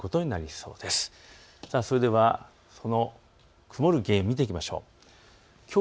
その曇る原因を見ていきましょう。